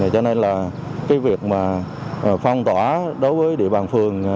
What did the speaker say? cho nên là cái việc mà phong tỏa đối với địa bàn phường